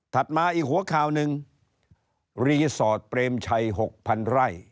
มาอีกหัวข่าวหนึ่งรีสอร์ทเปรมชัย๖๐๐๐ไร่